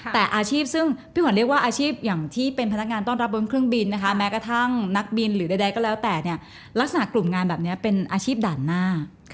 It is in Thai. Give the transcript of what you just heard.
แต่อาชีพซึ่งพี่ขวัญเรียกว่าอาชีพอย่างที่เป็นพนักงานต้อนรับบนเครื่องบินนะคะแม้กระทั่งนักบินหรือใดก็แล้วแต่เนี่ยลักษณะกลุ่มงานแบบนี้เป็นอาชีพด่านหน้า